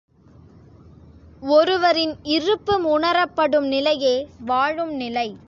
ஒருவரின் இருப்பு உணரப்படும் நிலையே வாழும் நிலை.